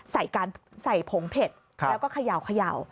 ใส่ผงเผ็ดแล้วก็เขย่า